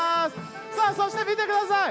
さあ、そして見てください。